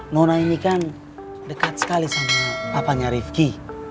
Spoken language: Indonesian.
nona ini kan dekat sekali sama papanya rifki